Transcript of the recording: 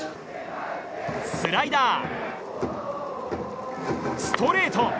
スライダー、ストレート。